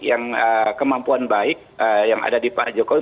yang kemampuan baik yang ada di pak jokowi